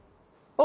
あ？